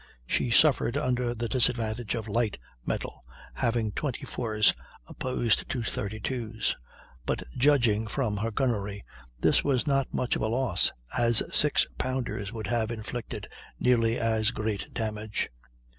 She suffered under the disadvantage of light metal, having 24's opposed to 32's; but judging from her gunnery this was not much of a loss, as 6 pounders would have inflicted nearly as great damage.